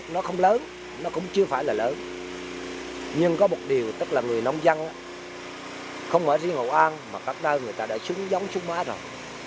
nhưng có một điều tức là người nông dân không ở riêng hội an mà các nơi người ta đã xuống giống xuống mát rồi